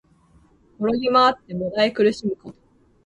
転げまわって悶え苦しむこと。